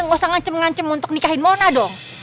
gak usah ngancem ngancem untuk nikahin mona dong